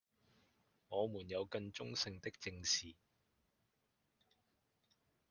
我們有更中性的「正視」